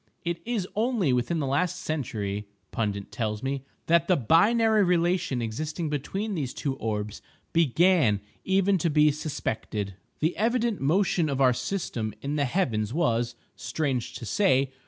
It is only within the last century, Pundit tells me, that the binary relation existing between these two orbs began even to be suspected. The evident motion of our system in the heavens was (strange to say!)